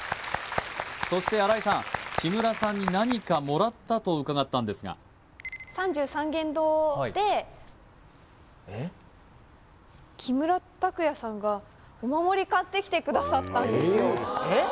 そして新井さん木村さんに何かもらったと伺ったんですが三十三間堂で木村拓哉さんがお守り買ってきてくださったんですよ